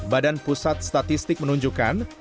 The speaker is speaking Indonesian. badan pusat statistik menunjukkan